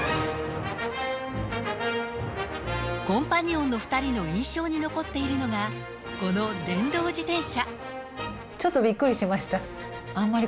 コンパニオンの２人の印象に残っているのが、この電動自転車。